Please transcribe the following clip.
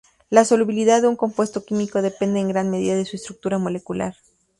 La solubilidad de un compuesto químico depende en gran medida de su estructura molecular.